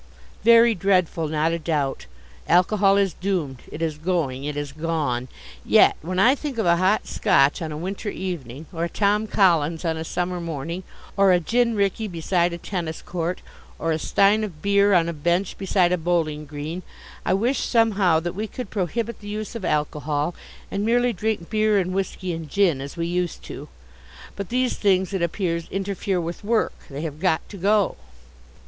Very dreadful, not a doubt. Alcohol is doomed; it is going it is gone. Yet when I think of a hot Scotch on a winter evening, or a Tom Collins on a summer morning, or a gin Rickey beside a tennis court, or a stein of beer on a bench beside a bowling green I wish somehow that we could prohibit the use of alcohol and merely drink beer and whisky and gin as we used to. But these things, it appears, interfere with work. They have got to go.